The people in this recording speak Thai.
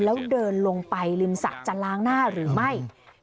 แล้วเดินลงไปริมสระจะล้างหน้าหรือไม่